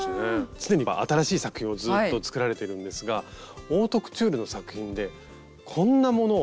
常に新しい作品をずっと作られているんですがオートクチュールの作品でこんなものを作られたということで。